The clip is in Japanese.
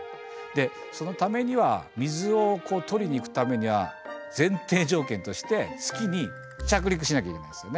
でそのためには水を採りに行くためには前提条件として月に着陸しなきゃいけないですよね。